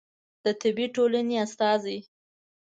د طبي ټولنې استازی